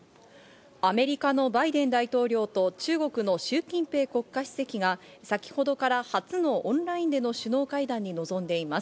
アメリカのバイデン大統領と中国のシュウ・キンペイ国家主席が先ほどから初のオンラインでの首脳会談に臨んでいます。